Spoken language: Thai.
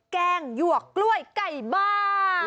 แกงหยวกกล้วยไก่บ้า